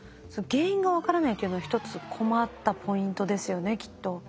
その原因が分からないというのは一つ困ったポイントですよねきっと。